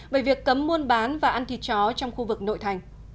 về việc cấm muôn bán và ăn thịt chó trong khu vực nội thành